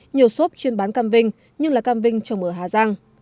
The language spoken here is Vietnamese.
nhiều xốp chuyên bán cam vinh nhưng là cam vinh trồng ở hà giang